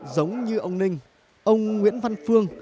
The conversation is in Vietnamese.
giống như ông ninh ông nguyễn văn phương